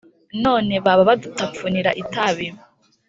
none baba badutapfunir itabi,